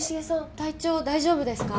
体調大丈夫ですか？